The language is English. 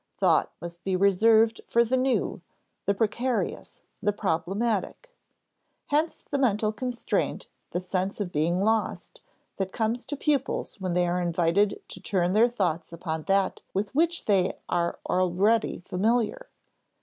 Thought must be reserved for the new, the precarious, the problematic. Hence the mental constraint, the sense of being lost, that comes to pupils when they are invited to turn their thoughts upon that with which they are already familiar.